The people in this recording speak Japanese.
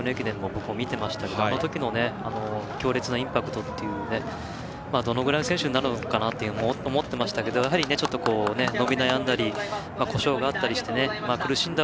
僕も見ていましたけどあの時の強烈なインパクトでどのぐらいの選手になるのかなと思っていましたがやはり、ちょっと伸び悩んだり故障があったりして苦しんだ